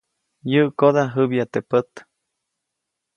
Yäʼkoda jäbya teʼ pät.